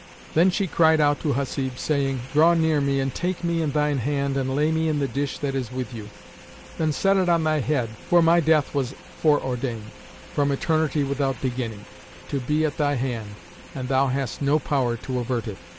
Then she cried out to Hasib, saying, "Draw near me and take me in thine hand and lay me in the dish that is with you: then set it on thy head, for my death was fore ordained, from Eternity without beginning,[FN#572] to be at thy hand, and thou hast no power to avert it."